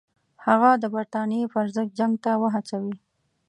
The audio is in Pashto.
هغه د برټانیې پر ضد جنګ ته وهڅوي.